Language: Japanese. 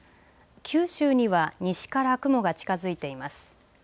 九州には西から雲が近づいています。